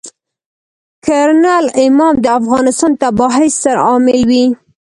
کرنل امام د افغانستان د تباهۍ ستر عامل وي.